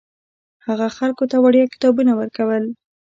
هغه خلکو ته وړیا کتابونه ورکول.